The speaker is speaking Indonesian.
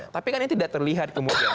tapi kan ini tidak terlihat kemudian